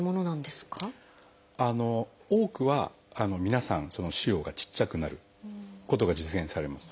多くは皆さん腫瘍がちっちゃくなることが実現されます。